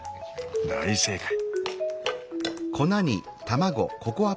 大正解。